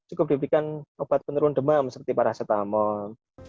cukup diberikan obat penurun demam seperti paracetamol